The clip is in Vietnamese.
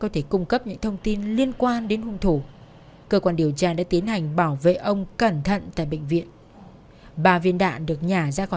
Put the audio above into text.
thì ổng có một cái linh cảm là nó diệt bắt nó bắt bình thường